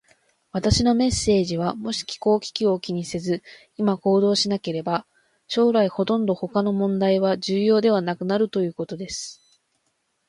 私のメッセージは、もし気候危機を気にせず、今行動しなければ、将来ほとんど他の問題は重要ではなくなるということです。